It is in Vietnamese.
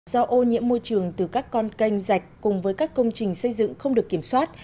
do ô nhiễm môi trường từ các con canh rạch cùng với các công trình xây dựng không được kiểm soát